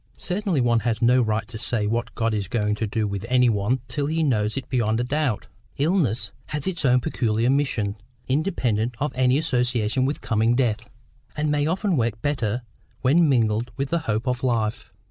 "Certainly one has no right to say what God is going to do with any one till he knows it beyond a doubt. Illness has its own peculiar mission, independent of any association with coming death, and may often work better when mingled with the hope of life.